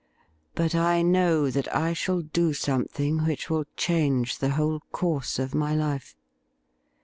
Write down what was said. But I know that I shall do something which will change the whole course of my life.'